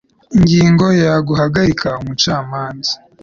ingingo ya guhagarika umucamanza